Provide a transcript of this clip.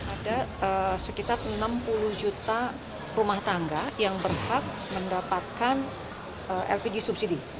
ada sekitar enam puluh juta rumah tangga yang berhak mendapatkan lpg subsidi